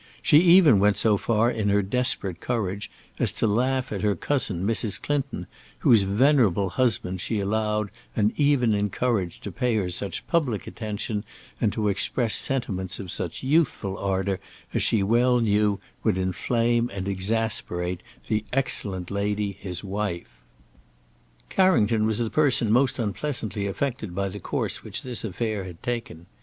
She even went so far in her desperate courage as to laugh at her cousin, Mrs. Clinton, whose venerable husband she allowed and even encouraged to pay her such public attention and to express sentiments of such youthful ardour as she well knew would inflame and exasperate the excellent lady his wife. Carrington was the person most unpleasantly affected by the course which this affair had taken.